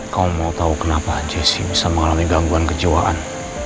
kau mau tau kenapa jesse bisa mengalami gangguan kejauhan